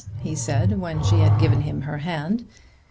he said when she had given him her hand.